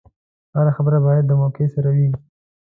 هره خبره باید د موقع سره وي.